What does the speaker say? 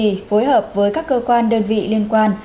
trì phối hợp với các cơ quan đơn vị liên quan